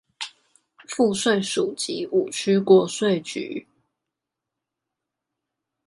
賦稅署及五區國稅局